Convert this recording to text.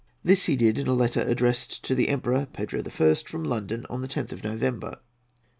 This he did in a letter addressed to the Emperor Pedro I., from London, on the 10th of November.